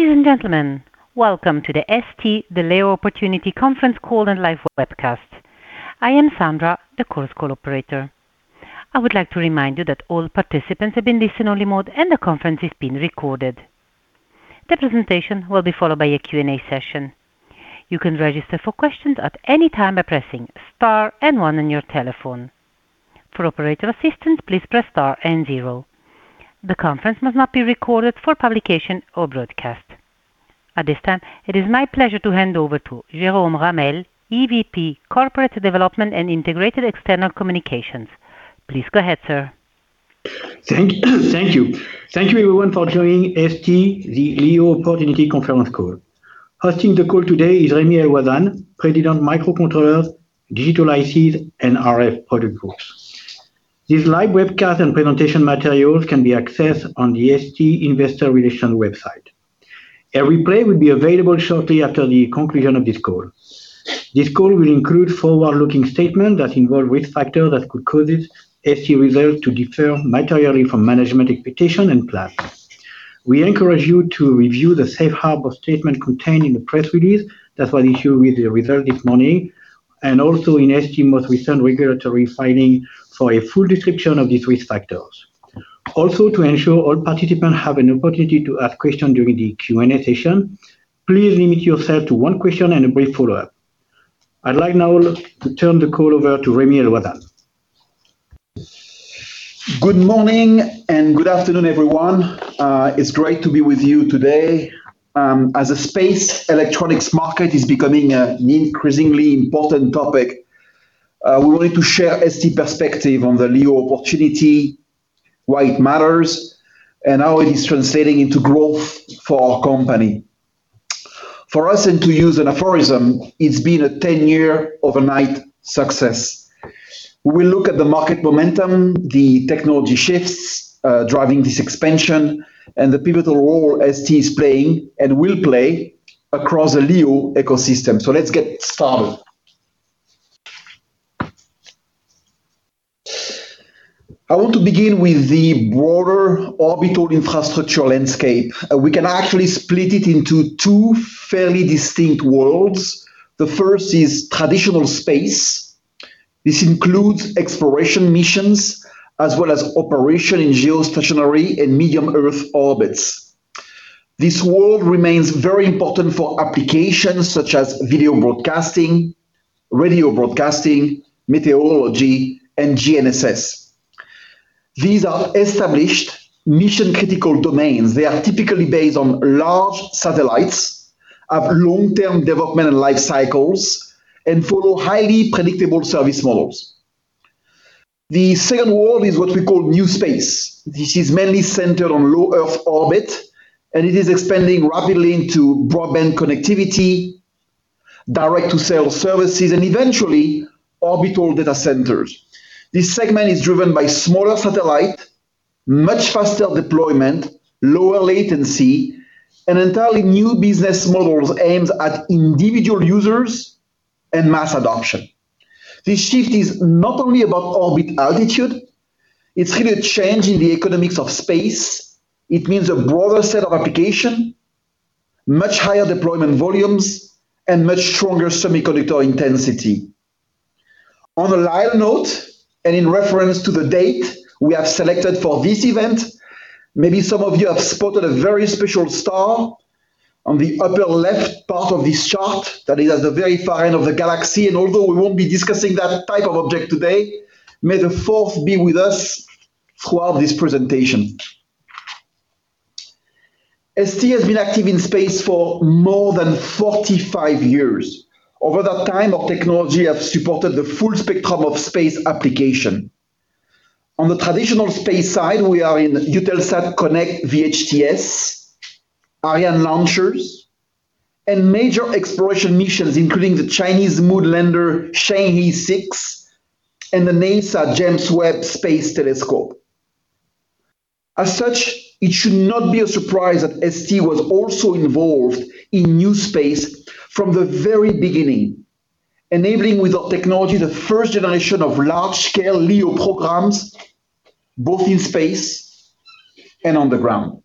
Ladies and gentlemen, welcome to the STMicroelectronics: The LEO Opportunity Conference Call and live webcast. I am Sandra, the conference call operator. I would like to remind you that all participants have been listed in read-only mode, and the conference is being recorded. The presentation will be followed by a Q&A session. You can register for questions at any time by pressing Star and One on your telephone. For operator assistance, please press Star and Zero. The conference must not be recorded for publication or broadcast. At this time, it is my pleasure to hand over to Jérôme Ramel, EVP Corporate Development and Integrated External Communications. Please go ahead, sir. Thank you. Thank you everyone for joining STMicroelectronics: The LEO Opportunity Conference Call. Hosting the call today is Remi El-Ouazzane, President, Microcontrollers, Digital ICs and RF products Group. This live webcast and presentation materials can be accessed on the STMicroelectronics Investor Relations website. A replay will be available shortly after the conclusion of this call. This call will include forward-looking statements that involve risk factors that could cause STMicroelectronics results to differ materially from management expectations and plans. We encourage you to review the safe harbor statement contained in the press release that was issued with the results this morning, and also in STMicroelectronics most recent regulatory filing for a full description of these risk factors. Also, to ensure all participants have an opportunity to ask questions during the Q&A session, please limit yourself to one question and a brief follow-up. I'd like now to turn the call over to Remi El-Ouazzane. Good morning and good afternoon, everyone. It's great to be with you today. As the space electronics market is becoming an increasingly important topic, we wanted to share ST perspective on the LEO opportunity, why it matters, and how it is translating into growth for our company. For us, and to use an aphorism, it's been a 10-year overnight success. We will look at the market momentum, the technology shifts, driving this expansion, and the pivotal role ST is playing and will play across the LEO ecosystem. Let's get started. I want to begin with the broader orbital infrastructure landscape. We can actually split it into two fairly distinct worlds. The first is traditional space. This includes exploration missions, as well as operation in geostationary and medium Earth orbits. This world remains very important for applications such as video broadcasting, radio broadcasting, meteorology, and GNSS. These are established mission-critical domains. They are typically based on large satellites, have long-term development and life cycles, and follow highly predictable service models. The second world is what we call new space. This is mainly centered on low Earth orbit, and it is expanding rapidly into broadband connectivity, direct-to-cell services, and eventually orbital data centers. This segment is driven by smaller satellite, much faster deployment, lower latency, and entirely new business models aimed at individual users and mass adoption. This shift is not only about orbit altitude, it's really a change in the economics of space. It means a broader set of application, much higher deployment volumes, and much stronger semiconductor intensity. On a light note, and in reference to the date we have selected for this event, maybe some of you have spotted a very special star on the upper left part of this chart that is at the very far end of the galaxy. Although we won't be discussing that type of object today, May the Fourth be with us throughout this presentation. ST has been active in space for more than 45 years. Over that time, our technology have supported the full spectrum of space application. On the traditional space side, we are in Eutelsat Konnect VHTS, Ariane launchers, and major exploration missions, including the Chinese moon lander Chang'e six and the NASA James Webb Space Telescope. As such, it should not be a surprise that ST was also involved in new space from the very beginning, enabling with our technology the 1st generation of large-scale LEO programs, both in space and on the ground.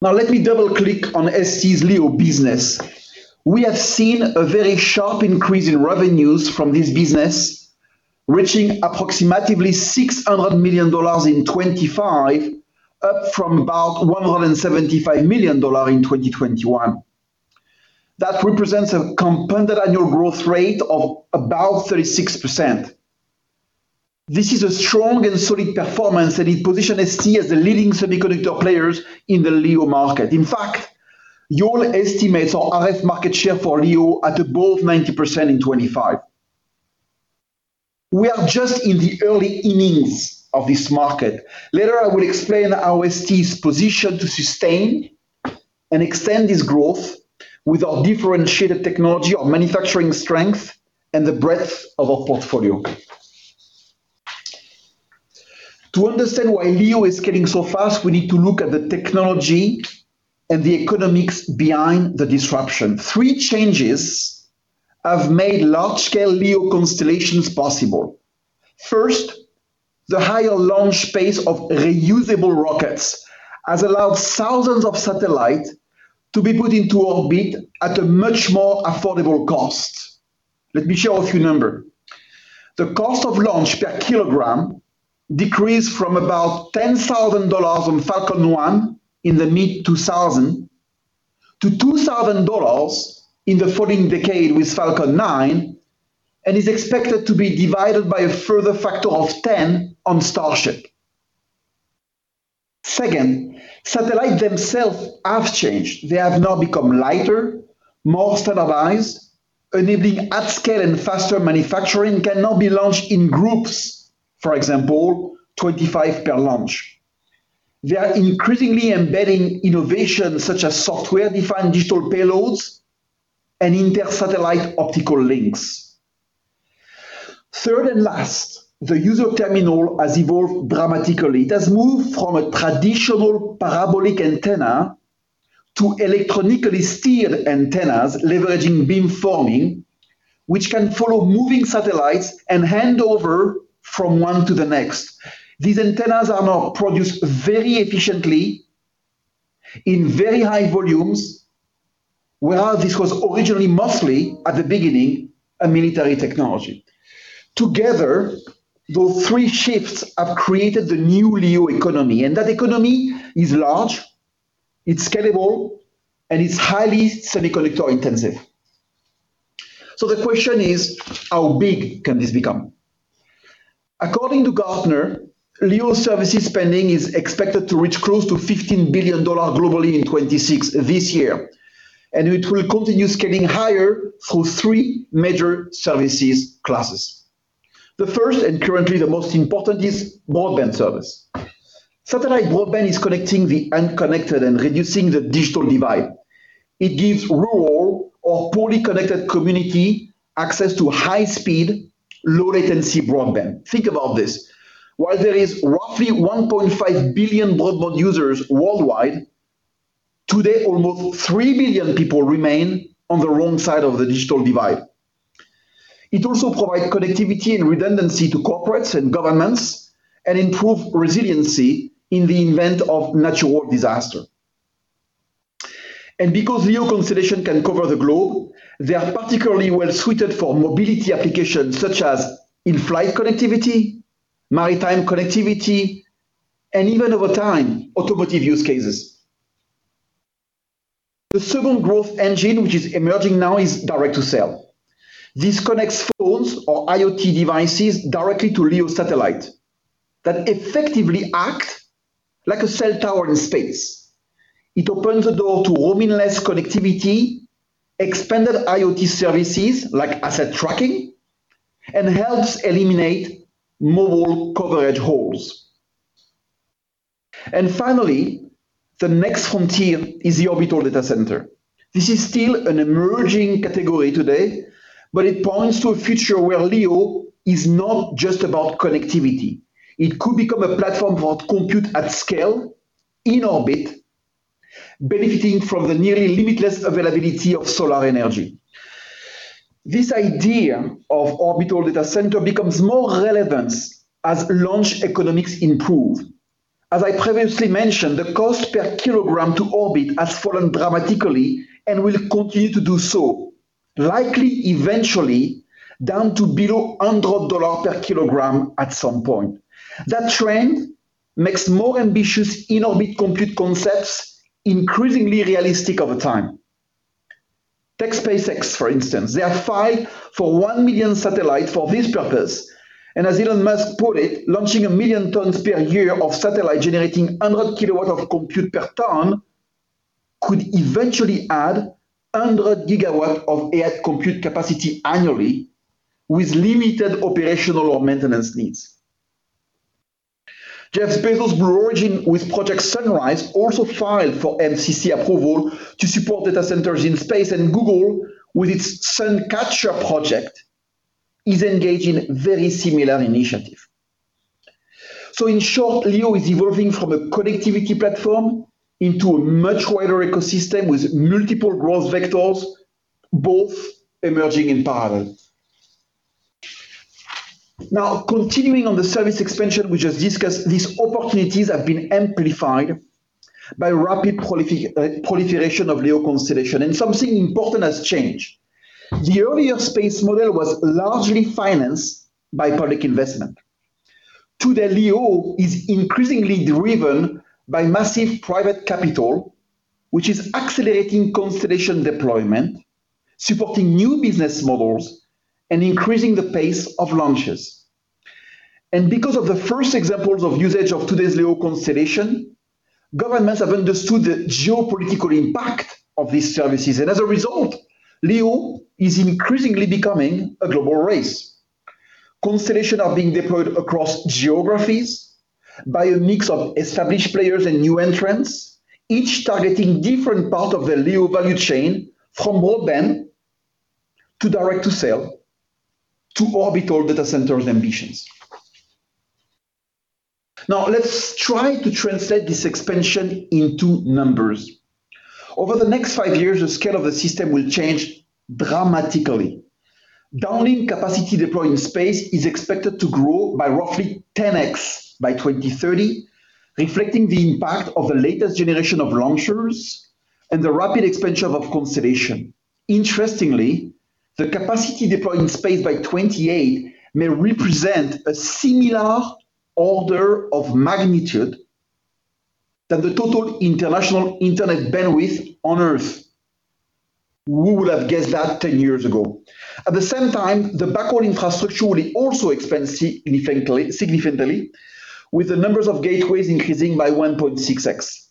Let me double-click on ST's LEO business. We have seen a very sharp increase in revenues from this business, reaching approximately $600 million in 2025, up from about $175 million dollar in 2021. That represents a CAGR of about 36%. This is a strong and solid performance that it position ST as the leading semiconductor players in the LEO market. Your estimates on RF market share for LEO at above 90% in 2025. We are just in the early innings of this market. Later, I will explain how ST is positioned to sustain and extend this growth with our differentiated technology, our manufacturing strength, and the breadth of our portfolio. To understand why LEO is scaling so fast, we need to look at the technology and the economics behind the disruption. Three changes have made large-scale LEO constellations possible. First, the higher launch space of reusable rockets has allowed thousands of satellites to be put into orbit at a much more affordable cost. Let me share with you a number. The cost of launch per kilogram decreased from about $10,000 on Falcon one in the mid-2000s to $2,000 in the following decade with Falcon nine, and is expected to be divided by a further factor of 10 on Starship. Second, satellites themselves have changed. They have now become lighter, more standardized, enabling at scale and faster manufacturing can now be launched in groups, for example, 25 per launch. They are increasingly embedding innovations such as software-defined digital payloads and inter-satellite optical links. Last, the user terminal has evolved dramatically. It has moved from a traditional parabolic antenna to electronically steered antennas leveraging beamforming, which can follow moving satellites and hand over from one to the next. These antennas are now produced very efficiently in very high volumes, where this was originally mostly at the beginning, a military technology. Together, those three shifts have created the new LEO economy, and that economy is large, it's scalable, and it's highly semiconductor intensive. The question is, how big can this become? According to Gartner, LEO services spending is expected to reach close to $15 billion globally in 26 this year. It will continue scaling higher through three major services classes. The first and currently the most important is broadband service. Satellite broadband is connecting the unconnected and reducing the digital divide. It gives rural or poorly connected community access to high speed, low latency broadband. Think about this. While there is roughly 1.5 billion broadband users worldwide, today almost 3 billion people remain on the wrong side of the digital divide. It also provides connectivity and redundancy to corporates and governments and improve resiliency in the event of natural disaster. Because LEO constellation can cover the globe, they are particularly well suited for mobility applications such as in-flight connectivity, maritime connectivity, and even over time, automotive use cases. The second growth engine which is emerging now is direct-to-cell. This connects phones or IoT devices directly to LEO satellite that effectively act like a cell tower in space. It opens the door to roaming-less connectivity, expanded IoT services like asset tracking, and helps eliminate mobile coverage holes. Finally, the next frontier is the orbital data center. This is still an emerging category today, but it points to a future where LEO is not just about connectivity. It could become a platform for compute at scale in orbit, benefiting from the nearly limitless availability of solar energy. This idea of orbital data center becomes more relevant as launch economics improve. As I previously mentioned, the cost per kilogram to orbit has fallen dramatically and will continue to do so, likely eventually down to below EUR 100 per kilogram at some point. That trend makes more ambitious in-orbit compute concepts increasingly realistic over time. Take SpaceX, for instance. They have filed for 1 million satellites for this purpose. As Elon Musk put it, launching 1 million tons per year of satellite generating 100 kilowatt of compute per ton could eventually add 100 gigawatt of AI compute capacity annually with limited operational or maintenance needs. Jeff Bezos' Blue Origin with Project Sunrise also filed for FCC approval to support data centers in space, Google with its Project Suncatcher is engaged in very similar initiative. In short, LEO is evolving from a connectivity platform into a much wider ecosystem with multiple growth vectors both emerging in parallel. Continuing on the service expansion we just discussed, these opportunities have been amplified by rapid proliferation of LEO constellation, something important has changed. The earlier space model was largely financed by public investment. Today, LEO is increasingly driven by massive private capital, which is accelerating constellation deployment, supporting new business models, and increasing the pace of launches. Because of the first examples of usage of today's LEO constellation, governments have understood the geopolitical impact of these services. As a result, LEO is increasingly becoming a global race. Constellations are being deployed across geographies by a mix of established players and new entrants, each targeting different part of the LEO value chain from broadband to direct-to-cell to orbital data centers ambitions. Now let's try to translate this expansion into numbers. Over the next five years, the scale of the system will change dramatically. Downlink capacity deployed in space is expected to grow by roughly 10x by 2030, reflecting the impact of the latest generation of launchers and the rapid expansion of constellation. Interestingly, the capacity deployed in space by 2028 may represent a similar order of magnitude than the total international internet bandwidth on Earth. Who would have guessed that 10 years ago? At the same time, the backhaul infrastructure will also expand significantly with the numbers of gateways increasing by 1.6x.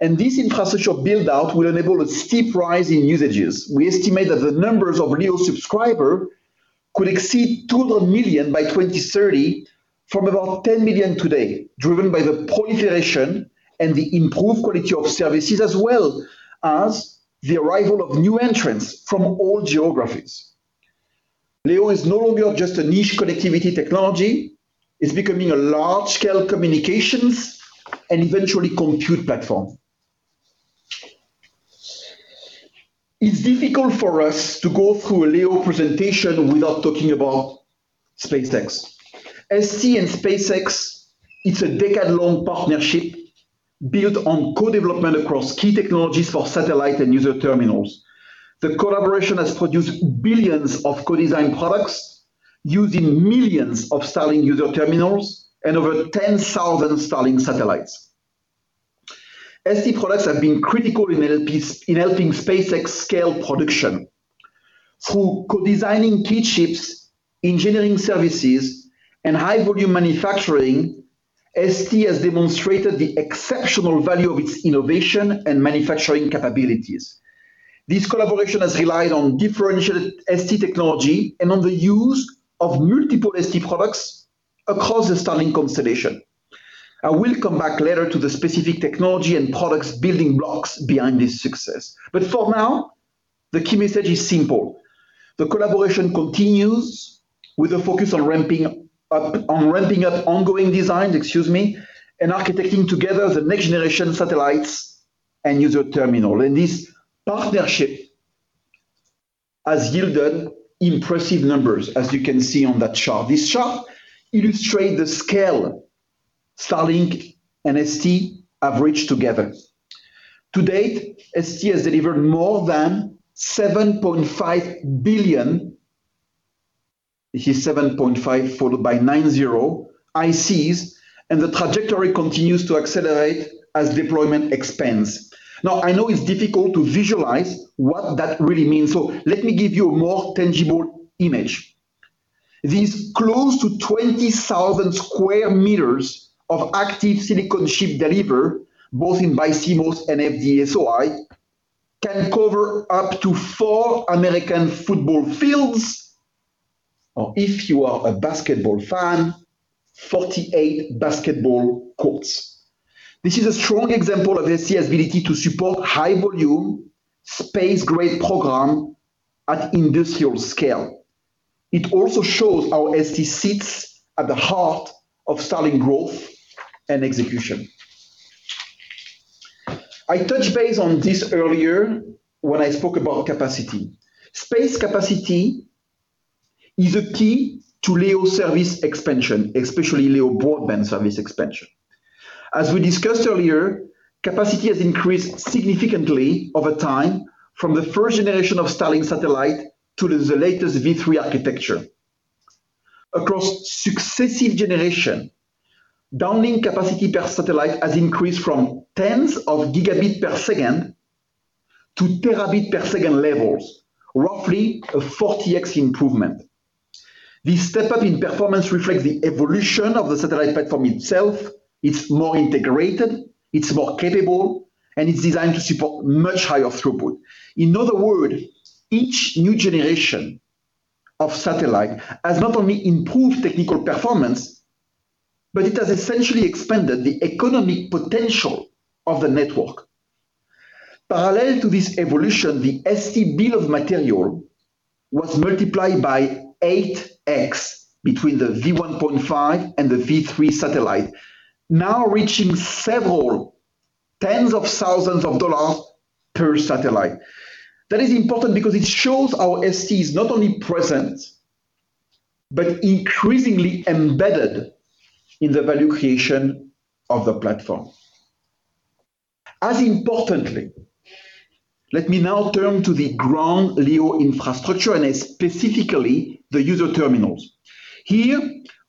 This infrastructure build-out will enable a steep rise in usages. We estimate that the numbers of new subscriber could exceed 200 million by 2030 from about 10 million today, driven by the proliferation and the improved quality of services as well as the arrival of new entrants from all geographies. LEO is no longer just a niche connectivity technology, it is becoming a large scale communications and eventually compute platform. It is difficult for us to go through a LEO presentation without talking about SpaceX. ST and SpaceX, it's a decade-long partnership built on co-development across key technologies for satellite and user terminals. The collaboration has produced billions of co-design products using millions of Starlink user terminals and over 10,000 Starlink satellites. ST products have been critical in helping SpaceX scale production through co-designing key chips, engineering services, and high volume manufacturing, ST has demonstrated the exceptional value of its innovation and manufacturing capabilities. This collaboration has relied on differentiated ST technology and on the use of multiple ST products across the Starlink constellation. I will come back later to the specific technology and products building blocks behind this success. For now, the key message is simple. The collaboration continues with a focus on ramping up ongoing designs, excuse me, and architecting together the next generation satellites and user terminal. This partnership has yielded impressive numbers, as you can see on that chart. This chart illustrate the scale Starlink and ST have reached together. To date, ST has delivered more than 7.5 billion, this is 7.5 followed by nine zero ICs, and the trajectory continues to accelerate as deployment expands. I know it is difficult to visualize what that really means, so let me give you a more tangible image. This close to 20,000 sq m of active silicon chip delivered, both in BiCMOS and FDSOI, can cover up to four American football fields. If you are a basketball fan, 48 basketball courts. This is a strong example of ST's ability to support high volume space-grade program at industrial scale. It also shows how ST sits at the heart of Starlink growth and execution. I touched base on this earlier when I spoke about capacity. Space capacity is a key to LEO service expansion, especially LEO broadband service expansion. As we discussed earlier, capacity has increased significantly over time from the first generation of Starlink satellite to the latest V3 architecture. Across successive generation, downlink capacity per satellite has increased from tens of gigabit per second to terabit per second levels, roughly a 40x improvement. This step up in performance reflects the evolution of the satellite platform itself. It's more integrated, it's more capable, and it's designed to support much higher throughput. In other words, each new generation of satellite has not only improved technical performance, but it has essentially expanded the economic potential of the network. Parallel to this evolution, the ST bill of material was multiplied by 8x between the V1.5 and the V3 satellite, now reaching several tens of thousands of EUR per satellite. That is important because it shows how ST is not only present, but increasingly embedded in the value creation of the platform. As importantly, let me now turn to the ground LEO infrastructure, and specifically the user terminals. Here,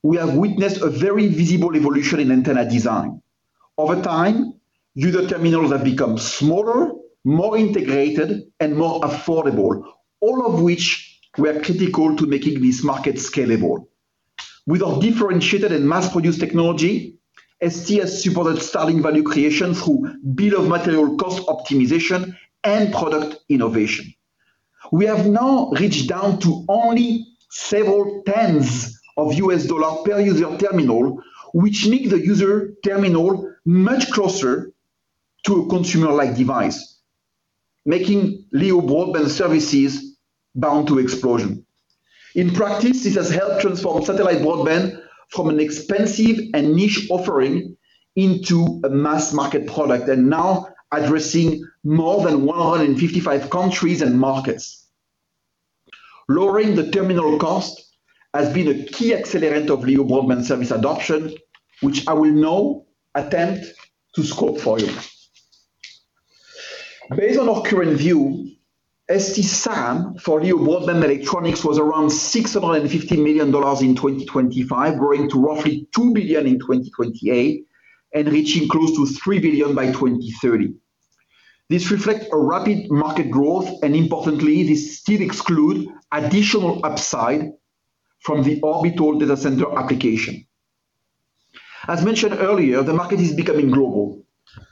we have witnessed a very visible evolution in antenna design. Over time, user terminals have become smaller, more integrated, and more affordable, all of which were critical to making this market scalable. With our differentiated and mass-produced technology, ST has supported Starlink value creation through bill of material cost optimization and product innovation. We have now reached down to only several tens of USD per user terminal, which make the user terminal much closer to a consumer-like device. Making LEO broadband services bound to explosion. In practice, it has helped transform satellite broadband from an expensive and niche offering into a mass-market product, now addressing more than 155 countries and markets. Lowering the terminal cost has been a key accelerant of LEO broadband service adoption, which I will now attempt to scope for you. Based on our current view, ST SAM for LEO broadband electronics was around $650 million in 2025, growing to roughly $2 billion in 2028, and reaching close to $3 billion by 2030. This reflects a rapid market growth, importantly, this still exclude additional upside from the orbital data center application. As mentioned earlier, the market is becoming global,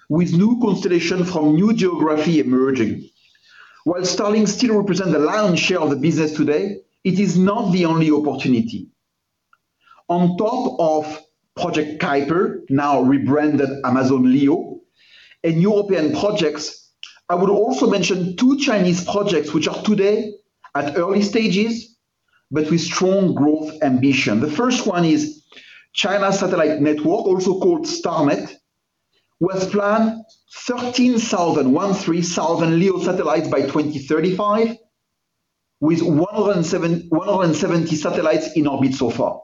with new constellation from new geography emerging. While Starlink still represent the lion's share of the business today, it is not the only opportunity. On top of Project Kuiper, now rebranded Amazon Leo, and European projects, I would also mention two Chinese projects which are today at early stages, but with strong growth ambition. The first one is China Satellite Network, also called StarNet, was planned 13,000 LEO satellites by 2035, with 170 satellites in orbit so far.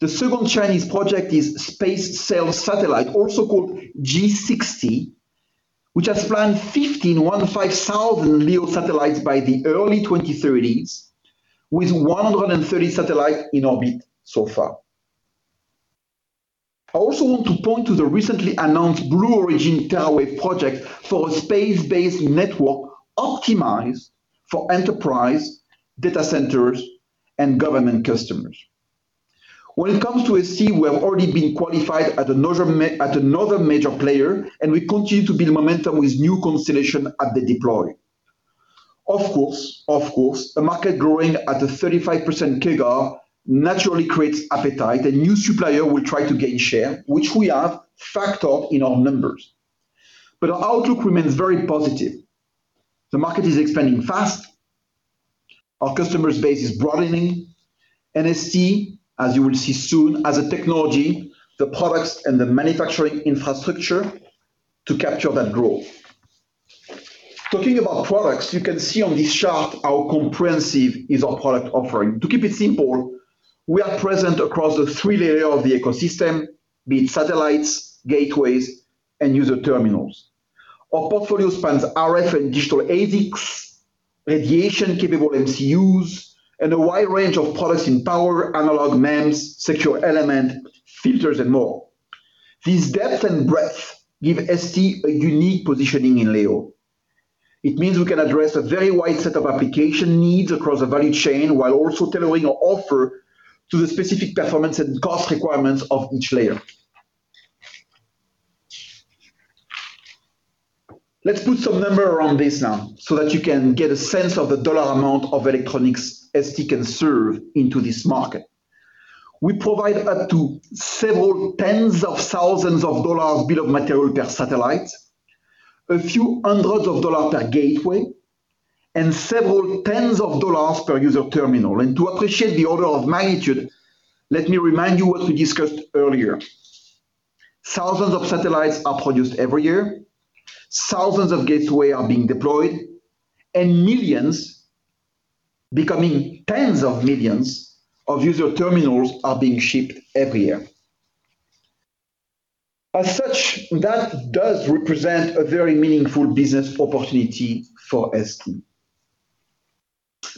The second Chinese project is SpaceCell Satellite, also called G60, which has planned 15,000 LEO satellites by the early 2030s, with 130 satellites in orbit so far. I also want to point to the recently announced Blue Origin TeraWave project for a space-based network optimized for enterprise data centers and government customers. When it comes to ST, we have already been qualified at another major player, and we continue to build momentum with new constellation at the deploy. Of course, a market growing at a 35% CAGR naturally creates appetite, and new supplier will try to gain share, which we have factored in our numbers. Our outlook remains very positive. The market is expanding fast, our customers base is broadening, and ST, as you will see soon, has the technology, the products and the manufacturing infrastructure to capture that growth. Talking about products, you can see on this chart how comprehensive is our product offering. To keep it simple, we are present across the three layer of the ecosystem, be it satellites, gateways, and user terminals. Our portfolio spans RF and digital ASICs, radiation-capable MCUs, and a wide range of products in power, analog, MEMS, secure element, filters, and more. This depth and breadth give ST a unique positioning in LEO. It means we can address a very wide set of application needs across the value chain, while also tailoring our offer to the specific performance and cost requirements of each layer. Let's put some number around this now so that you can get a sense of the dollar amount of electronics ST can serve into this market. We provide up to several tens of thousands of dollars bill of material per satellite, a few hundreds of dollars per gateway, and several tens of dollars per user terminal. To appreciate the order of magnitude, let me remind you what we discussed earlier. Thousands of satellites are produced every year, thousands of gateways are being deployed, and millions, becoming tens of millions, of user terminals are being shipped every year. As such, that does represent a very meaningful business opportunity for ST.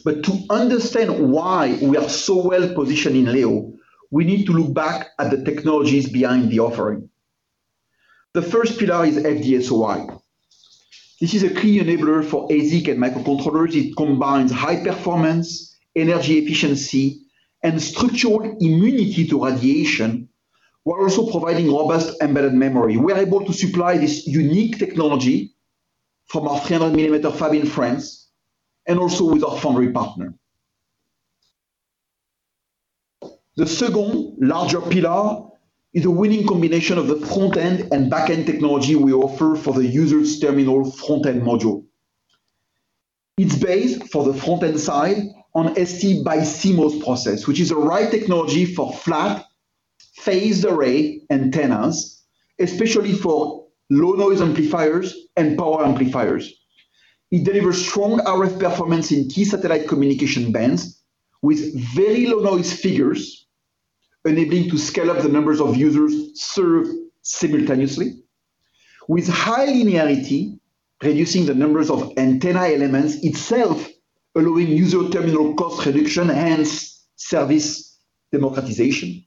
To understand why we are so well positioned in LEO, we need to look back at the technologies behind the offering. The first pillar is FDSOI. This is a key enabler for ASIC and microcontrollers. It combines high performance, energy efficiency, and structural immunity to radiation, while also providing robust embedded memory. We are able to supply this unique technology from our 300 millimeter fab in France, and also with our foundry partner. The second larger pillar is a winning combination of the front-end and back-end technology we offer for the user's terminal front-end module. It's based for the front-end side on ST BiCMOS process, which is the right technology for flat Phased Array Antennas, especially for Low Noise Amplifiers and Power Amplifiers. It delivers strong RF performance in key satellite communication bands with very low noise figures, enabling to scale up the numbers of users served simultaneously. With high linearity, reducing the numbers of antenna elements itself, allowing user terminal cost reduction, hence service democratization.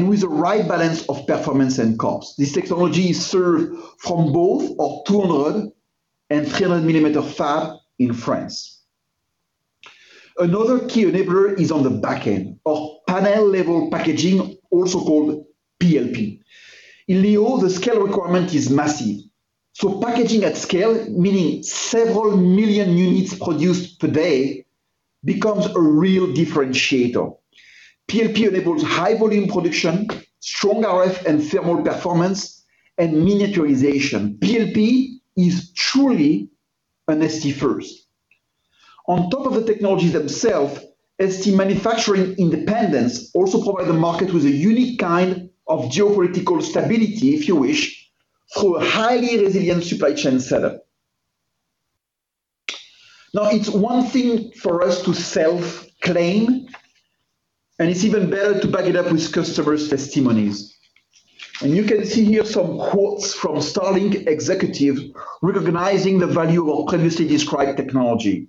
With the right balance of performance and cost. This technology is served from both our 200 and 300 millimeter fab in France. Another key enabler is on the back-end, our panel level packaging, also called PLP. In LEO, the scale requirement is massive. Packaging at scale, meaning several million units produced per day becomes a real differentiator. PLP enables high volume production, strong RF and thermal performance, and miniaturization. PLP is truly an ST first. On top of the technology themself, ST manufacturing independence also provide the market with a unique kind of geopolitical stability, if you wish, through a highly resilient supply chain setup. It's one thing for us to self-claim, and it's even better to back it up with customers' testimonies. You can see here some quotes from Starlink executive recognizing the value of previously described technology.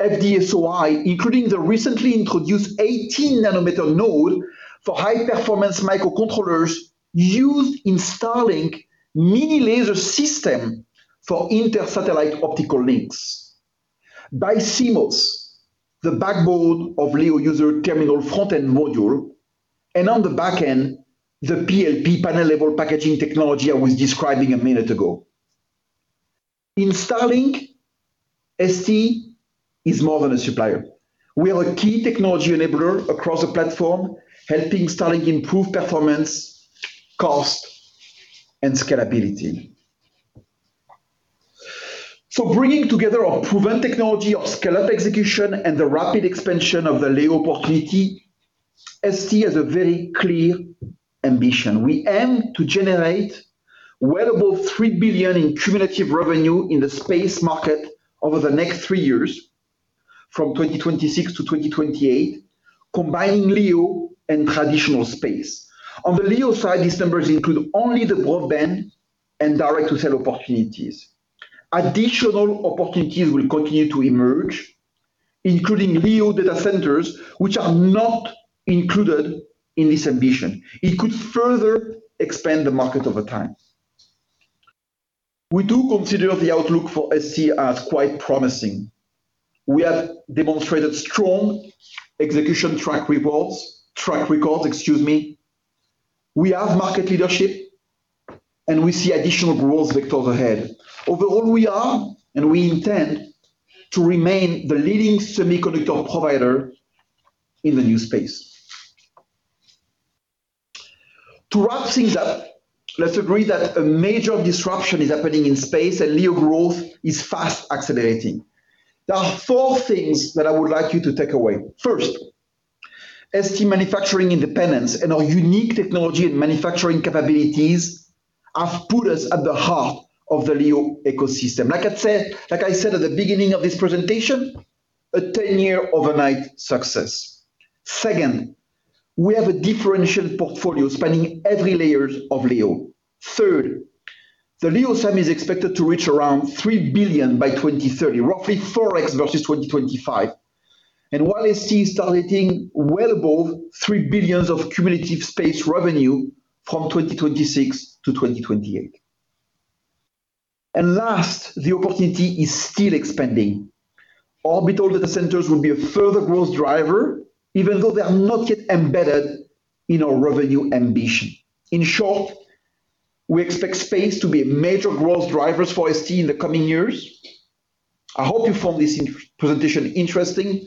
FDSOI, including the recently introduced 18 nm node for high-performance microcontrollers used in Starlink Mini laser system for intersatellite optical links. BiCMOS, the backbone of Leo user terminal front-end module, and on the back end, the PLP panel level packaging technology I was describing 1 minute ago. In Starlink, ST is more than a supplier. We are a key technology enabler across the platform, helping Starlink improve performance, cost, and scalability. Bringing together our proven technology of scale-up execution and the rapid expansion of the LEO opportunity, ST has a very clear ambition. We aim to generate well above 3 billion in cumulative revenue in the space market over the next three years, from 2026 to 2028, combining LEO and traditional space. On the LEO side, these numbers include only the broadband and direct-to-cell opportunities. Additional opportunities will continue to emerge, including LEO data centers, which are not included in this ambition. It could further expand the market over time. We do consider the outlook for ST as quite promising. We have demonstrated strong execution track records, excuse me. We have market leadership, we see additional growth vectors ahead. Overall, we are, and we intend to remain the leading semiconductor provider in the new space. To wrap things up, let's agree that a major disruption is happening in space, and LEO growth is fast accelerating. There are four things that I would like you to take away. First, ST manufacturing independence and our unique technology and manufacturing capabilities have put us at the heart of the LEO ecosystem. Like I said at the beginning of this presentation, a 10-year overnight success. Second, we have a differentiated portfolio spanning every layers of LEO. Third, the LEO sum is expected to reach around 3 billion by 2030, roughly 4x versus 2025. While ST is targeting well above 3 billion of cumulative space revenue from 2026 to 2028. Last, the opportunity is still expanding. Orbital data centers will be a further growth driver, even though they are not yet embedded in our revenue ambition. In short, we expect space to be major growth drivers for ST in the coming years. I hope you found this presentation interesting.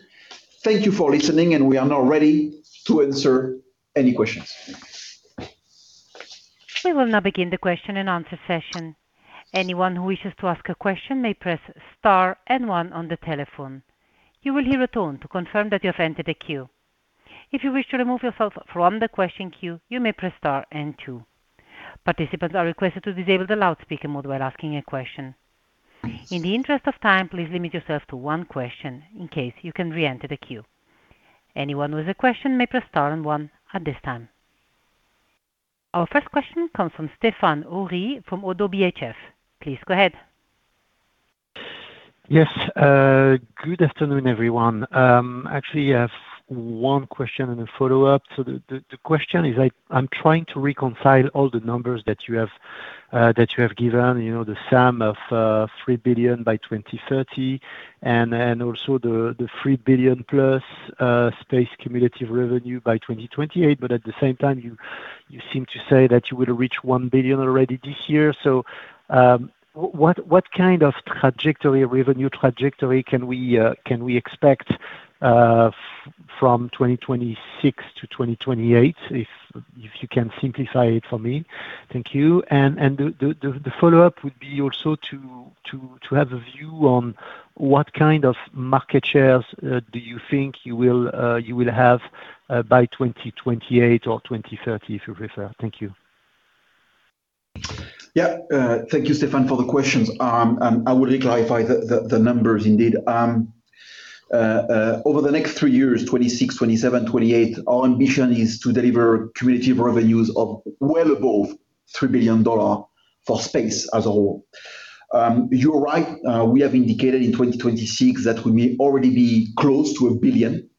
Thank you for listening, and we are now ready to answer any questions. Our first question comes from Stephane Houri from ODDO BHF. Please go ahead. Yes. Good afternoon, everyone. Actually, I have one question and a follow-up. The question is, I'm trying to reconcile all the numbers that you have given, you know, the sum of 3 billion by 2030 and also the 3 billion-plus space cumulative revenue by 2028. At the same time, you seem to say that you will reach 1 billion already this year. What kind of trajectory, revenue trajectory can we expect from 2026 to 2028, if you can simplify it for me. Thank you. The follow-up would be also to have a view on what kind of market shares, do you think you will have by 2028 or 2030, if you prefer. Thank you. Thank you, Stéphane, for the questions. I will clarify the numbers indeed. Over the next three years, 2026, 2027, 2028, our ambition is to deliver cumulative revenues of well above EUR 3 billion for space as a whole. You're right, we have indicated in 2026 that we may already be close to 1 billion.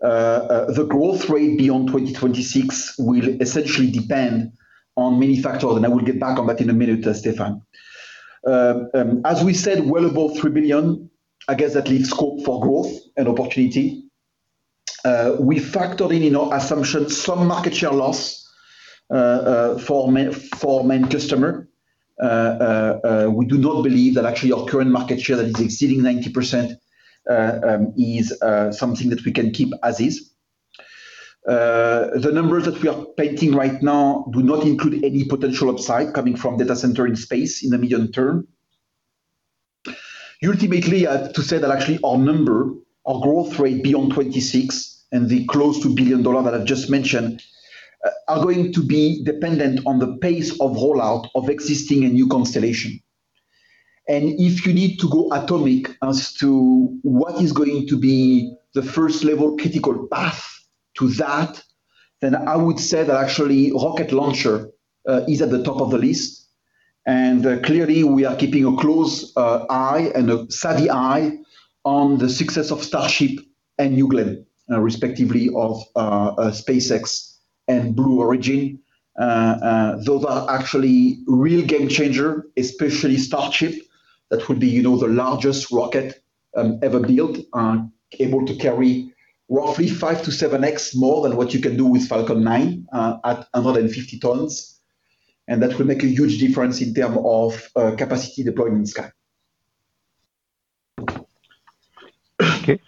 The growth rate beyond 2026 will essentially depend on many factors, and I will get back on that in a minute, Stéphane. As we said, well above 3 billion, I guess that leaves scope for growth and opportunity. We factored in, you know, assumption some market share loss for main customer. We do not believe that actually our current market share that is exceeding 90% is something that we can keep as is. The numbers that we are painting right now do not include any potential upside coming from data center in space in the medium term. Ultimately, I have to say that actually our number, our growth rate beyond 2026 and the close to EUR 1 billion that I've just mentioned are going to be dependent on the pace of rollout of existing and new constellation. If you need to go atomic as to what is going to be the first level critical path to that, then I would say that actually rocket launcher is at the top of the list. Clearly we are keeping a close eye and a steady eye on the success of Starship and New Glenn, respectively of SpaceX and Blue Origin. Those are actually real game changer, especially Starship. That would be, you know, the largest rocket ever built, able to carry roughly 5x to 7x more than what you can do with Falcon nine, at 150 tons. That will make a huge difference in term of capacity deployment in sky. Okay.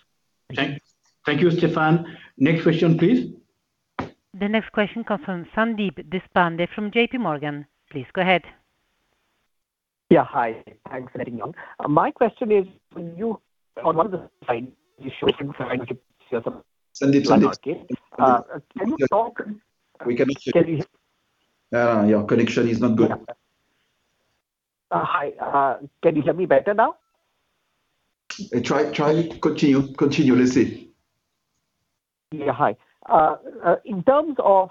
Thank you, Stéphane. Next question, please. The next question comes from Sandeep Deshpande from JPMorgan. Please go ahead. Yeah. Hi. Thanks for letting me on. My question is you on one of the slide you showed. Sandeep. Can you talk? We cannot hear you. Can you- Your connection is not good. Hi. Can you hear me better now? Try, try. Continue, continue. Let's see. Yeah. Hi. In terms of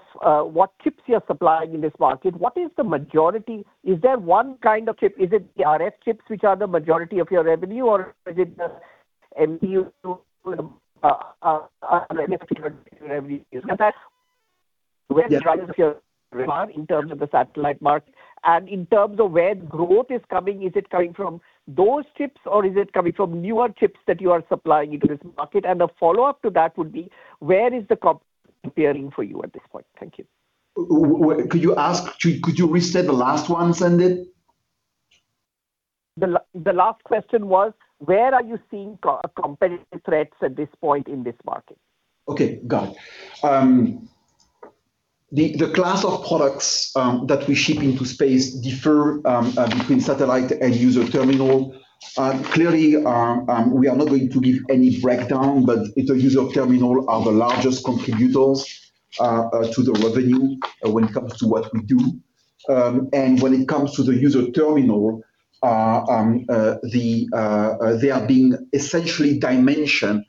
what chips you're supplying in this market, what is the majority? Is there one kind of chip? Is it the RF chips which are the majority of your revenue, or is it the MP in terms of the satellite market? In terms of where growth is coming, is it coming from those chips or is it coming from newer chips that you are supplying into this market? A follow-up to that would be where is the comp appearing for you at this point? Thank you. Could you restate the last one, Sandeep? The last question was where are you seeing co-competitor threats at this point in this market? Okay. Got it. The class of products that we ship into space differ between satellite and user terminal. Clearly, we are not going to give any breakdown but inter user terminal are the largest contributors to the revenue when it comes to what we do. When it comes to the user terminal, they are being essentially dimensioned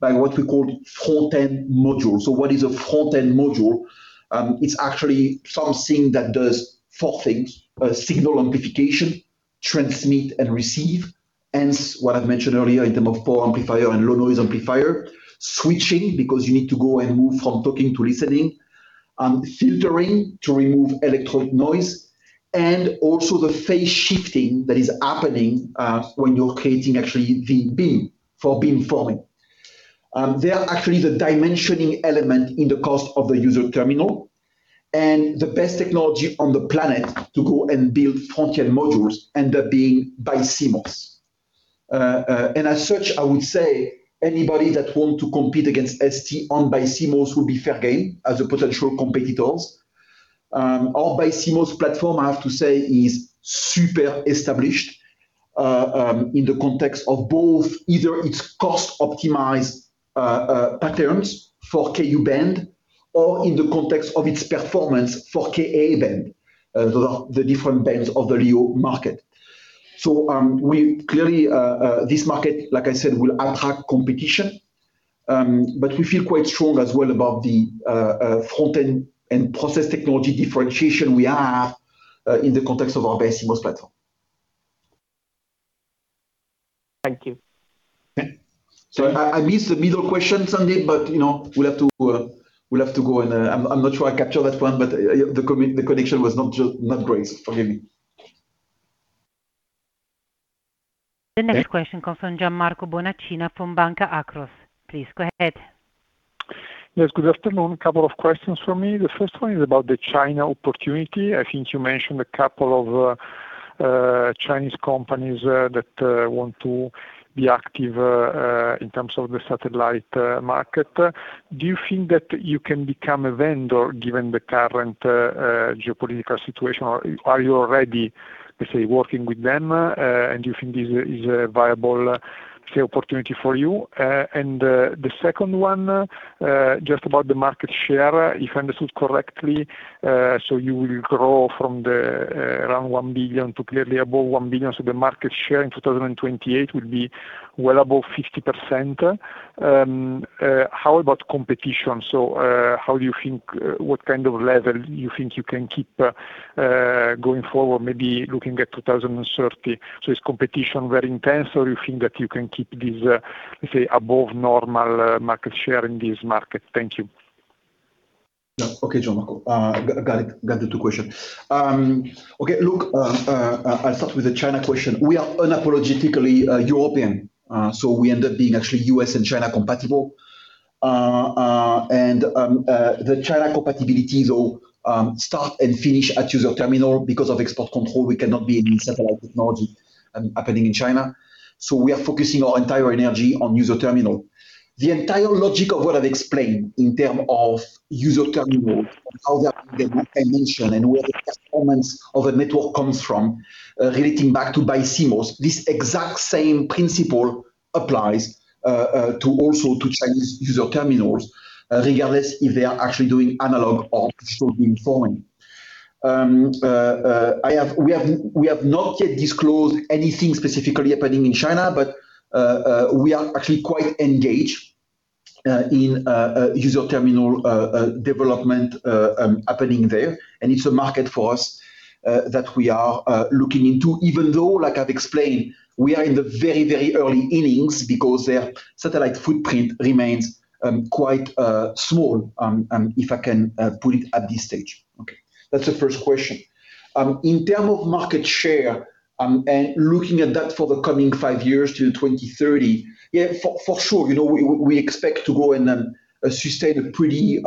by what we call front-end module. What is a front-end module? It's actually something that does four things. Signal amplification, transmit and receive, hence what I've mentioned earlier in term of Power Amplifier and Low Noise Amplifier. Switching because you need to go and move from talking to listening. Filtering to remove electronic noise, and also the phase shifting that is happening, when you're creating actually the beam for beamforming. They are actually the dimensioning element in the cost of the user terminal and the best technology on the planet to go and build front-end modules end up being BiCMOS. As such, I would say anybody that want to compete against STMicroelectronics on BiCMOS will be fair game as a potential competitors. Our BiCMOS platform, I have to say, is super established, in the context of both either its cost optimized, patterns for Ku band or in the context of its performance for Ka band. The, the different bands of the LEO market. We clearly, this market, like I said, will attract competition, but we feel quite strong as well about the front-end and process technology differentiation we have, in the context of our BiCMOS platform. Thank you. Okay. I missed the middle question, Sandeep, but, you know, we'll have to go and, I'm not sure I capture that one, but, yeah, the connection was not great. Forgive me. The next question comes from Gianmarco Bonacina from Banca Akros. Please go ahead. Yes, good afternoon. Couple of questions from me. The first one is about the China opportunity. I think you mentioned a couple of Chinese companies that want to be active in terms of the satellite market. Do you think that you can become a vendor given the current geopolitical situation? Are you already, let's say, working with them, and do you think this is a viable, say, opportunity for you? The second one just about the market share. If I understood correctly, you will grow from the around 1 billion to clearly above 1 billion. The market share in 2028 will be well above 50%. How about competition? What kind of level you think you can keep going forward, maybe looking at 2030? Is competition very intense, or you think that you can keep this, let's say above normal market share in this market? Thank you. No. Okay, Gianmarco. Got the two question. Okay. Look, I'll start with the China question. We are unapologetically European. We end up being actually U.S. and China compatible. The China compatibility though, start and finish at user terminal. Because of export control, we cannot be any satellite technology happening in China. We are focusing our entire energy on user terminal. The entire logic of what I've explained in term of user terminal and how they are being dimensioned and where the performance of a network comes from, relating back to BiCMOS, this exact same principle applies to also to Chinese user terminals, regardless if they are actually doing analog or digital beamforming. We have not yet disclosed anything specifically happening in China, but we are actually quite engaged in user terminal development happening there, and it's a market for us that we are looking into, even though, like I've explained, we are in the very, very early innings because their satellite footprint remains quite small if I can put it at this stage. Okay. That's the first question. In term of market share, and looking at that for the coming five years till 2030, for sure, you know, we expect to grow and sustain a pretty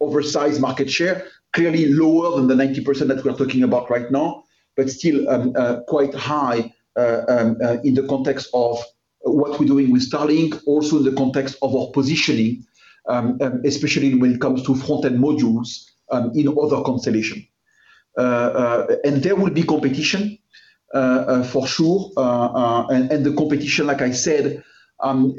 oversized market share, clearly lower than the 90% that we are talking about right now, but still quite high in the context of what we're doing with Starlink, also in the context of our positioning, especially when it comes to front-end modules, in other constellation. There will be competition for sure. The competition, like I said, I'll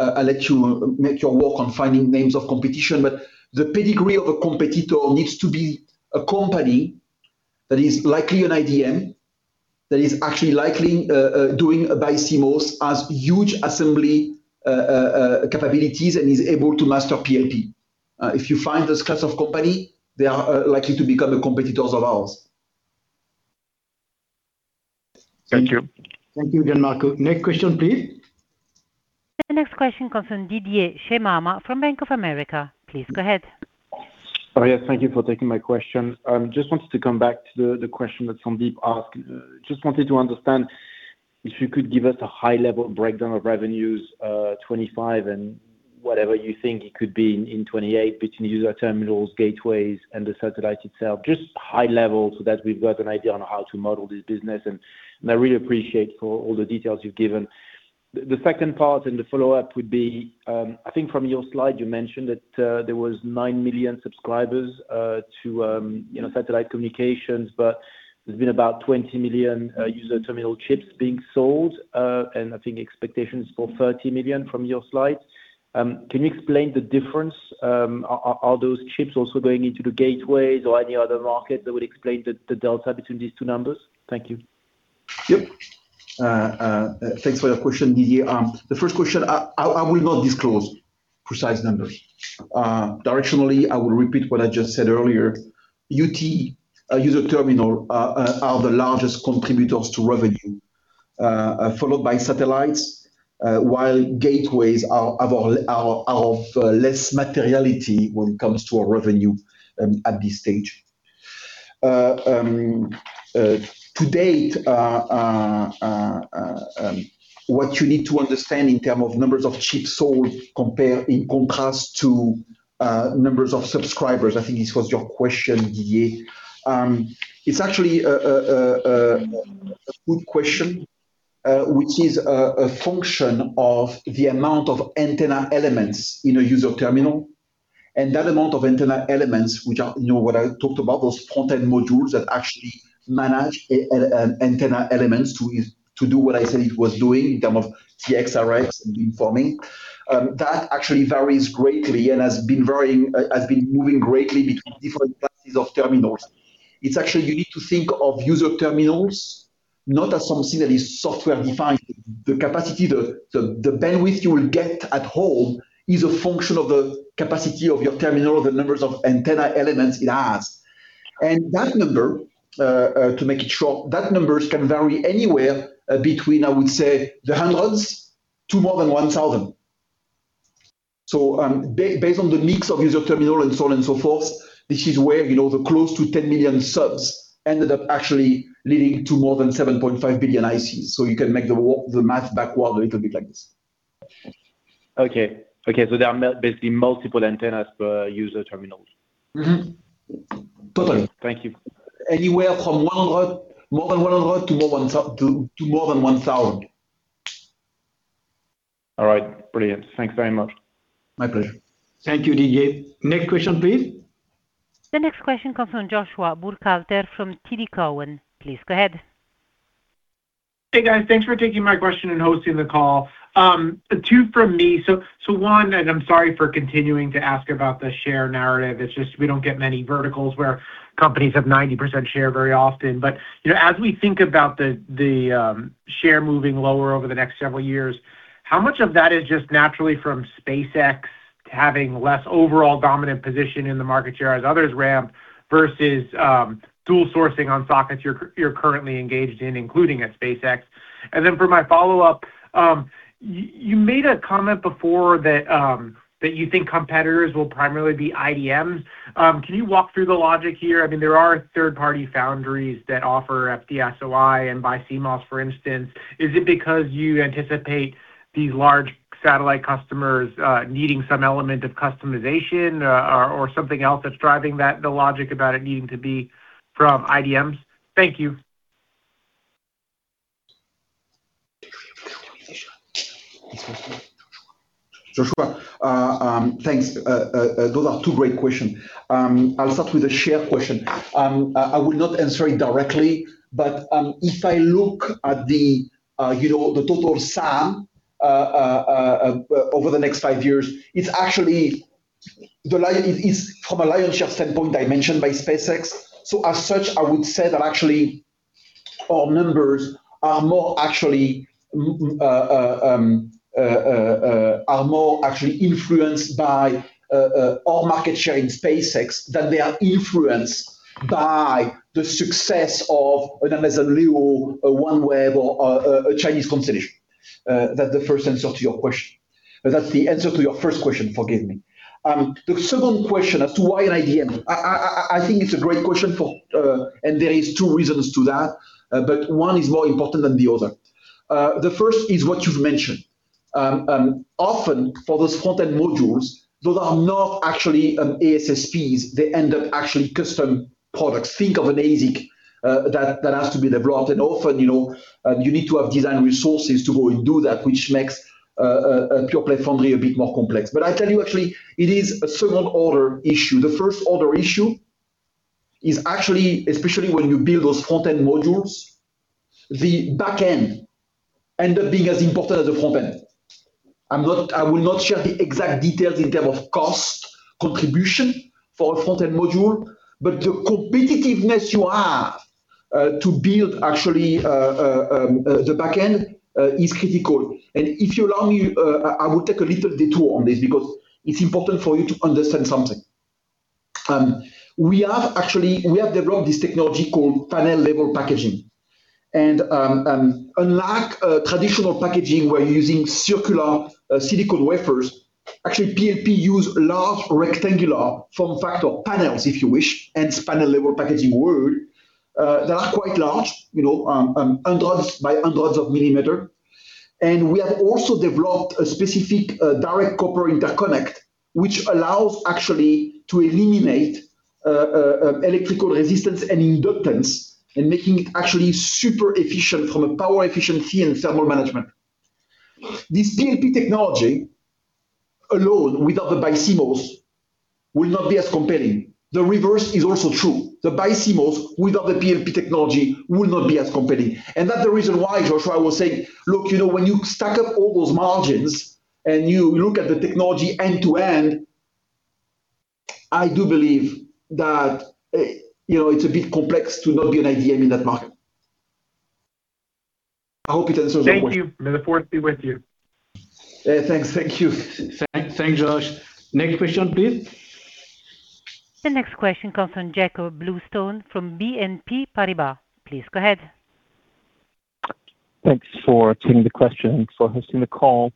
let you make your work on finding names of competition. The pedigree of a competitor needs to be a company that is likely an IDM, that is actually likely doing a BiCMOS, has huge assembly capabilities, and is able to master PLP. If you find this class of company, they are likely to become the competitors of ours. Thank you. Thank you, Gianmarco. Next question, please. The next question comes from Didier Scemama from Bank of America. Please go ahead. Yes, thank you for taking my question. Just wanted to come back to the question that Sandeep asked. Just wanted to understand if you could give us a high-level breakdown of revenues, 2025 and whatever you think it could be in 2028 between user terminals, gateways, and the satellite itself. Just high level so that we've got an idea on how to model this business, and I really appreciate for all the details you've given. The second part and the follow-up would be, I think from your slide you mentioned that there was 9 million subscribers to, you know, satellite communications, but there's been about 20 million user terminal chips being sold, and I think expectations for 30 million from your slides. Can you explain the difference? Are those chips also going into the gateways or any other market that would explain the delta between these 2 numbers? Thank you. Yep. Thanks for your question, Didier. The first question, I will not disclose precise numbers. Directionally, I will repeat what I just said earlier. UT user terminal are the largest contributors to revenue, followed by satellites, while gateways are of less materiality when it comes to our revenue at this stage. To date, what you need to understand in term of numbers of chips sold compare, in contrast to numbers of subscribers, I think this was your question, Didier. It's actually a good question, which is a function of the amount of antenna elements in a user terminal. That amount of antenna elements which are what I talked about, those front-end modules that actually manage an antenna elements to do what I said it was doing in term of TX/RX and beamforming. That actually varies greatly and has been varying, has been moving greatly between different classes of terminals. It's actually you need to think of user terminals not as something that is software defined. The capacity, the bandwidth you will get at home is a function of the capacity of your terminal, the numbers of antenna elements it has. That number to make it short, that numbers can vary anywhere between, I would say, the hundreds to more than 1,000. Based on the mix of user terminal and so on and so forth, this is where, you know, the close to 10 million subs ended up actually leading to more than 7.5 billion ICs. You can make the math backward a little bit like this. Okay. Okay, there are basically multiple antennas per user terminals. Mm-hmm. Totally. Thank you. Anywhere from 100, more than 100 to more than 1,000. All right. Brilliant. Thank you very much. My pleasure. Thank you, Didier. Next question, please. The next question comes from Joshua Buchalter from TD Cowen. Please go ahead. Hey, guys. Thanks for taking my question and hosting the call. Two from me. One, and I'm sorry for continuing to ask about the share narrative. It's just we don't get many verticals where companies have 90% share very often. You know, as we think about the share moving lower over the next several years, how much of that is just naturally from SpaceX having less overall dominant position in the market share as others ramp versus tool sourcing on sockets you're currently engaged in, including at SpaceX. For my follow-up, you made a comment before that you think competitors will primarily be IDMs. Can you walk through the logic here? I mean, there are third-party foundries that offer FDSOI and BiCMOS, for instance. Is it because you anticipate these large satellite customers needing some element of customization, or something else that's driving that, the logic about it needing to be from IDMs? Thank you. Joshua, thanks. Those are two great questions. I'll start with the share question. I will not answer it directly, but if I look at the, you know, the total sum over the next five years, it's actually from a lion's share standpoint I mentioned by SpaceX. As such, I would say that actually our numbers are more actually influenced by our market share in SpaceX than they are influenced by the success of an Amazon Leo or OneWeb or a Chinese constellation. That's the first answer to your question. That's the answer to your first question, forgive me. The second question as to why an IDM. I think it's a great question for, and there is two reasons to that, but one is more important than the other. The first is what you've mentioned. Often for those front-end modules, those are not actually ASSPs. They end up actually custom products. Think of an ASIC that has to be developed. Often, you know, you need to have design resources to go and do that, which makes a pure play foundry a bit more complex. I tell you actually, it is a second order issue. The first order issue is actually, especially when you build those front-end modules, the back end end up being as important as the front end. I will not share the exact details in term of cost contribution for a front-end module, but the competitiveness you have to build actually the back end is critical. If you allow me, I will take a little detour on this because it's important for you to understand something. We have developed this technology called panel level packaging. Unlike traditional packaging where you're using circular silicon wafers, actually, PLP use large rectangular form factor panels, if you wish, hence panel level packaging word, that are quite large, you know, hundreds by hundreds of millimeters. We have also developed a specific direct copper interconnect, which allows actually to eliminate electrical resistance and inductance in making it actually super efficient from a power efficiency and thermal management. This PLP technology alone, without the BiCMOS, will not be as compelling. The reverse is also true. The BiCMOS without the PLP technology will not be as compelling. That's the reason why, Joshua, I was saying, look, you know, when you stack up all those margins and you look at the technology end to end, I do believe that, you know, it's a bit complex to not be an IDM in that market. I hope it answers your question. Thank you. May the force be with you. Thanks. Thank you. Thank, thanks, Josh. Next question, please. The next question comes from Jakob Bluestone from BNP Paribas. Please go ahead. Thanks for taking the question, for hosting the call.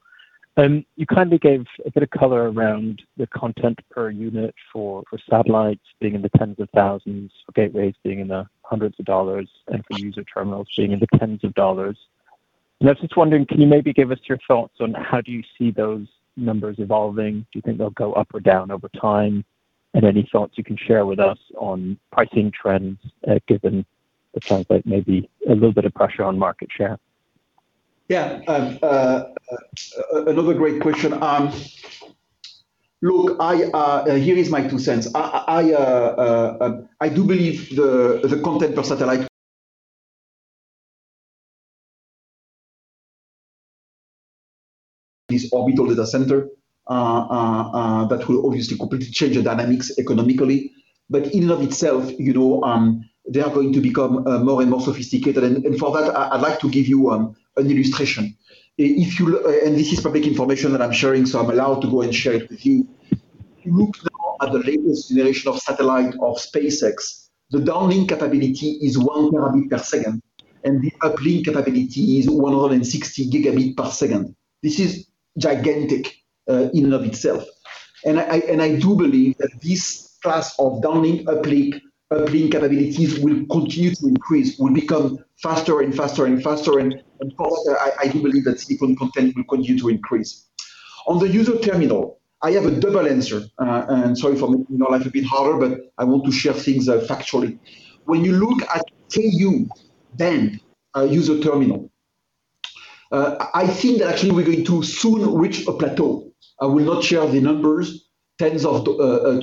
You kindly gave a bit of color around the content per unit for satellites being in the tens of thousands, for gateways being in the hundreds of dollars, and for user terminals being in the tens of dollars. I was just wondering, can you maybe give us your thoughts on how do you see those numbers evolving? Do you think they'll go up or down over time? Any thoughts you can share with us on pricing trends, given it sounds like maybe a little bit of pressure on market share. Another great question. Look, here is my two cents. I do believe the content per satellite this orbital data center that will obviously completely change the dynamics economically. In and of itself, you know, they are going to become more and more sophisticated. For that, I'd like to give you an illustration. This is public information that I'm sharing, so I'm allowed to go and share it with you. If you look now at the latest generation of satellite of SpaceX, the downlink capability is 1 terabit per second, and the uplink capability is 160 gigabit per second. This is gigantic in and of itself. I do believe that this class of downlink, uplink capabilities will continue to increase, will become faster and faster and faster. I do believe that silicon content will continue to increase. On the user terminal, I have a double answer. Sorry for making your life a bit harder, but I want to share things factually. When you look at Ku band user terminal, I think that actually we're going to soon reach a plateau. I will not share the numbers. Tens of EUR, a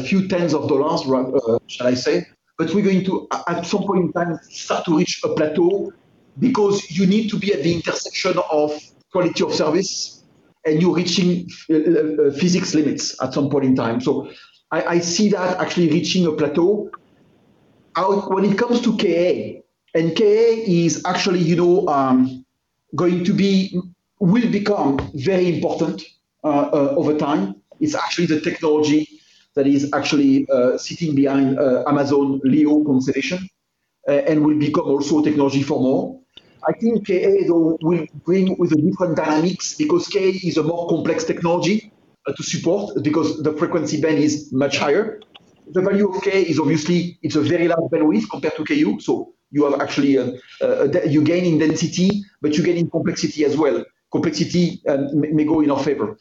few tens of EUR, shall I say. We're going to at some point in time start to reach a plateau because you need to be at the intersection of quality of service, and you're reaching physics limits at some point in time. I see that actually reaching a plateau when it comes to Ka, and Ka is actually, you know, will become very important over time. It's actually the technology that is actually sitting behind Amazon Leo constellation, and will become also technology for more. I think Ka, though, will bring with the different dynamics because Ka is a more complex technology to support because the frequency band is much higher. The value of Ka is obviously it's a very large bandwidth compared to Ku. You are actually, you gain in density, but you gain in complexity as well. Complexity may go in our favor.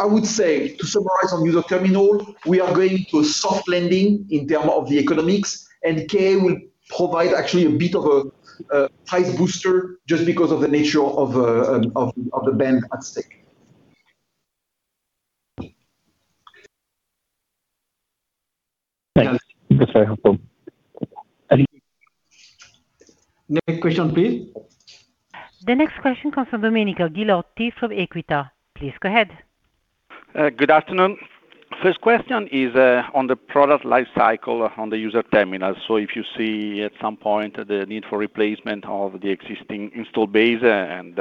I would say to summarize on user terminal, we are going to a soft landing in term of the economics, and Ka will provide actually a bit of a height booster just because of the nature of the band at stake. Thanks. That's very helpful. Next question, please. The next question comes from Domenico Ghilotti from Equita. Please go ahead. Good afternoon. First question is on the product life cycle on the user terminal. If you see at some point the need for replacement of the existing install base and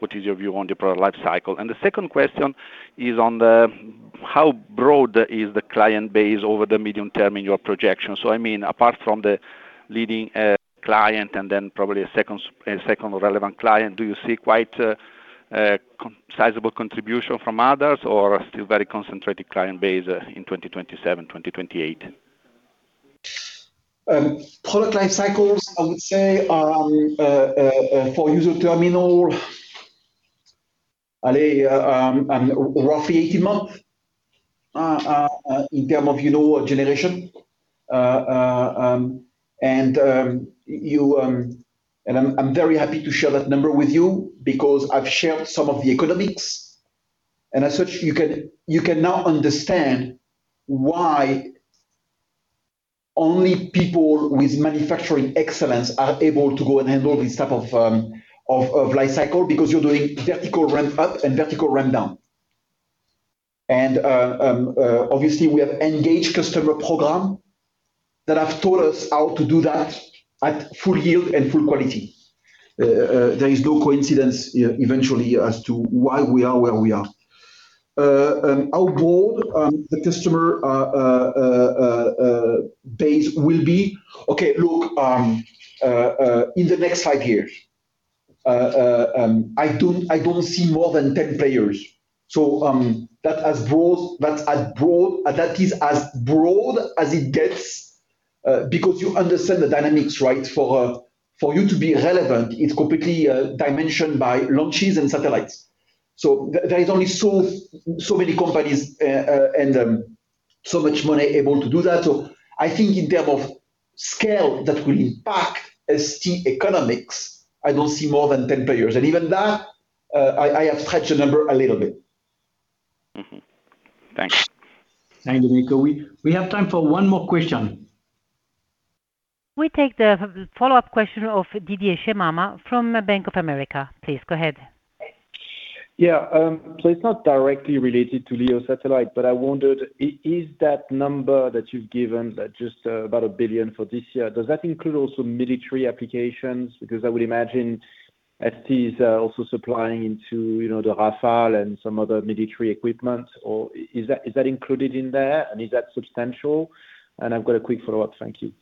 what is your view on the product life cycle? The second question is on the how broad is the client base over the medium term in your projection? I mean apart from the leading client and then probably a second, a second relevant client, do you see quite a sizable contribution from others or still very concentrated client base in 2027, 2028? Product life cycles, I would say, for user terminal, ale, roughly 18 month in terms of, you know, a generation. I'm very happy to share that number with you because I've shared some of the economics, and as such, you can now understand why only people with manufacturing excellence are able to go and handle this type of life cycle because you're doing vertical ramp up and vertical ramp down. Obviously we have engaged customer program that have taught us how to do that at full yield and full quality. There is no coincidence eventually as to why we are where we are. How broad the customer base will be? Okay, look, in the next five years, I don't see more than 10 players. That is as broad as it gets because you understand the dynamics, right? For you to be relevant, it's completely dimensioned by launches and satellites. There is only so many companies and so much money able to do that. I think in term of scale that will impact STMicroelectronics economics, I don't see more than 10 players. Even that, I have stretched the number a little bit. Thanks. Thanks, Domenico. We have time for one more question. We take the follow-up question of Didier Scemama from Bank of America. Please go ahead. Yeah. It's not directly related to Leo satellite, but I wondered, is that number that you've given that just about 1 billion for this year, does that include also military applications? I would imagine STMicroelectronics is also supplying into, you know, the Rafale and some other military equipment, or is that included in there and is that substantial? I've got a quick follow-up. Thank you.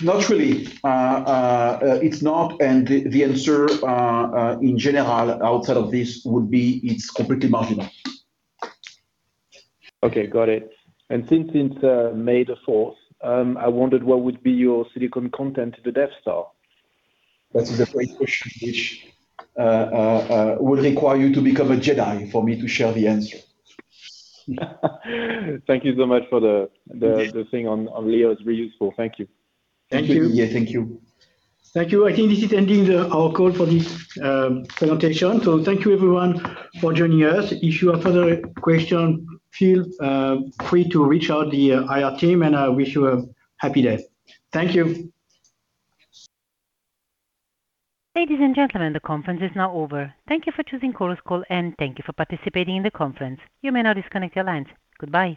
Not really. It's not, and the answer, in general outside of this would be it's completely marginal. Okay. Got it. Since it's May the fourth, I wondered what would be your silicon content to the Death Star? That is a great question which would require you to become a Jedi for me to share the answer. Thank you so much for the thing on Leo. It's really useful. Thank you. Thank you. Thank you. Thank you. I think this is ending our call for this presentation. Thank you everyone for joining us. If you have further question, feel free to reach out the IR team, and I wish you a happy day. Thank you. Ladies and gentlemen, the conference is now over. Thank you for choosing Chorus Call, and thank you for participating in the conference. You may now disconnect your lines. Goodbye